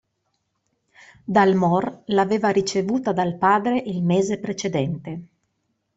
Dalmor l'aveva ricevuta dal padre il mese precedente.